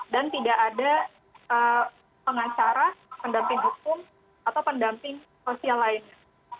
dan tidak ada pengacara pendamping hukum atau pendamping sosial lainnya